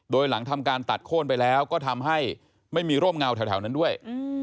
โดยหลังทำการตัดโค้นไปแล้วก็ทำให้ไม่มีร่มเงาแถวนั้นด้วย